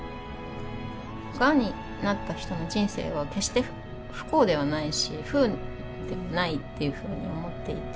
がんになった人の人生は決して不幸ではないし不運でもないっていうふうに思っていて。